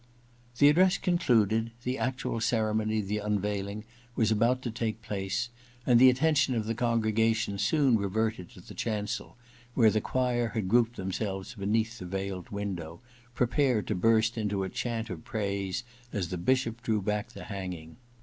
The address concluded, the actual ceremony of the unveiling was about to take place, and the attention of the congregation soon reverted to the chancel, where the choir had grouped themselves beneath the veiled window, prepared to burst into a chant of praise as the Bishop drew back the hanging.